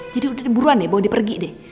jadi udah di buruan deh bawa dia pergi deh